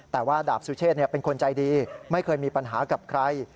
แต่ว่าดาบสุเชษเป็นคนใจดีไม่เคยมีปัญหากับใคร